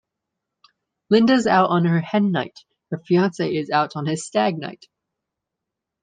Linda's out on her hen night, her fiance is out on his stag night.